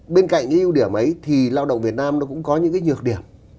bên cạnh cái ưu điểm ấy thì lao động việt nam nó cũng có những cái nhược điểm